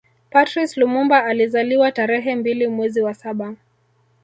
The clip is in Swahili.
Patrice Lumumba alizaliwa tarehe mbili mwezi wa saba